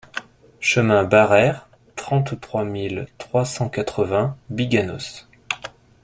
Chemin Barreyres, trente-trois mille trois cent quatre-vingts Biganos